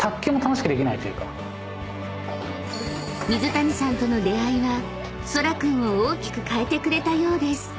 ［水谷さんとの出会いはそら君を大きく変えてくれたようです］